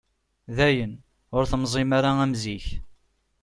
Dayen, ur temẓim ara am zik.